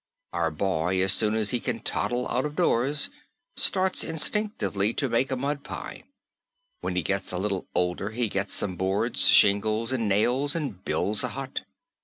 Our boy, as soon as he can toddle out of doors, starts instinctively to make a mud pie. When he gets a little older he gets some boards, shingles and nails and builds a hut.